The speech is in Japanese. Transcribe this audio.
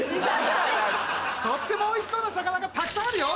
とってもおいしそうな魚がたくさんあるよ！